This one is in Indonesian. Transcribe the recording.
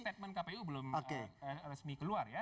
statement kpu belum resmi keluar ya